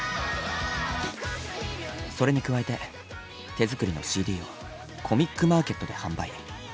それに加えて手作りのＣＤをコミックマーケットで販売。